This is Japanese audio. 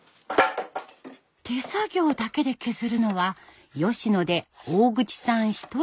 手作業だけで削るのは吉野で大口さん一人になりました。